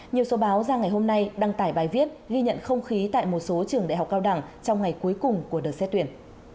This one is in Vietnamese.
nhiều số báo ra ngày hôm nay đăng tải bài viết ghi nhận không khí tại một số trường đại học cao đẳng trong ngày cuối cùng của đợt xét tuyển